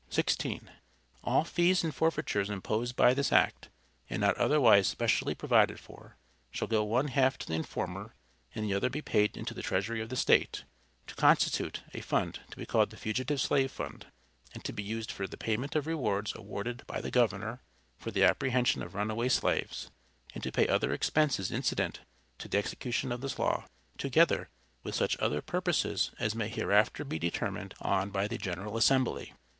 (16.) All fees and forfeitures imposed by this act, and not otherwise specially provided for, shall go one half to the informer, and the other be paid into the treasury of the State, to constitute a fund, to be called the "fugitive slave fund," and to be used for the payment of rewards awarded by the Governor, for the apprehension of runaway slaves, and to pay other expenses incident to the execution of this law, together with such other purposes as may hereafter be determined on by the General Assembly.